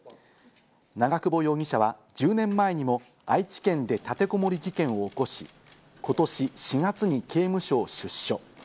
長久保容疑者は１０年前にも愛知県で立てこもり事件を起こし、今年４月に刑務所を出所。